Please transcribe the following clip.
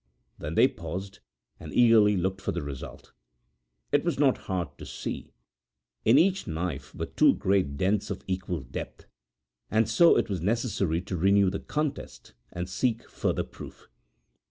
Then they paused and eagerly looked for the result. It was not hard to see; in each knife were two great dents of equal depth; and so it was necessary to renew the contest, and seek a further proof.